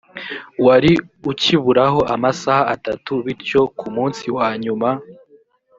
wari ukiburaho amasaha atatu bityo ku munsi wa nyuma